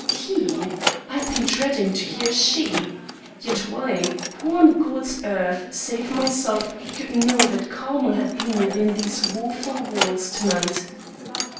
He! I had been dreading to hear a she. Yet why? Who on God's earth, save myself, could know that Carmel had been within these woeful walls to night.